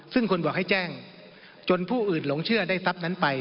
ซึ่งคนบอกให้แจ้งจนผู้อื่นหลงเชื่อได้ทรัพย์นั้นไป